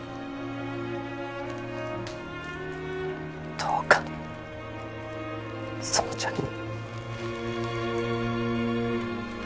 どうか園ちゃんに。